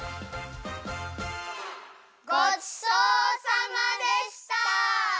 ごちそうさまでした！